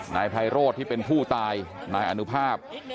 นายไพโรธที่เป็นผู้ตายนายอนุภาพ